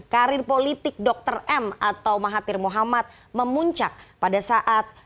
karir politik dr m atau mahathir muhammad memuncak pada saat